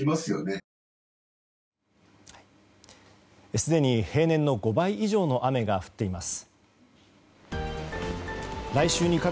すでに平年の５倍以上の雨が降っています。